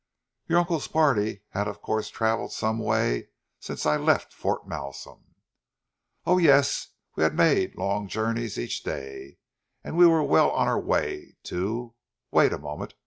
"Your uncle's party had of course travelled some way since I left Fort Malsun?" "Oh yes; we had made long journeys each day and we were well on our way to wait a moment.